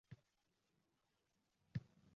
Nega komadan chiqdim